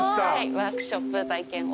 ワークショップ体験を。